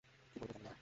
কী বলবো জানি না।